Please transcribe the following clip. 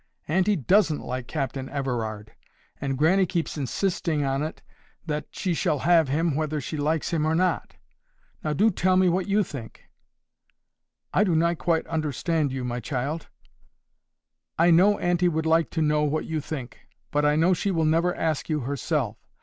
—Auntie DOESN'T like Captain Everard; and grannie keeps insisting on it that she shall have him whether she likes him or not. Now do tell me what you think." "I do not quite understand you, my child." "I know auntie would like to know what you think. But I know she will never ask you herself.